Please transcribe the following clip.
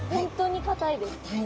かたいんですね。